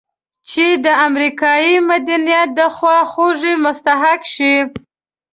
چې د امریکایي مدنیت د خواخوږۍ مستحق شي.